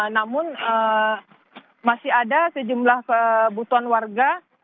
namun masih ada sejumlah kebutuhan warga